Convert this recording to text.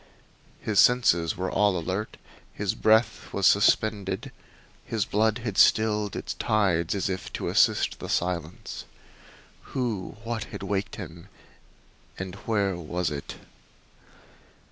His senses were all alert, his breath was suspended, his blood had stilled its tides as if to assist the silence. Who what had waked him, and where was it?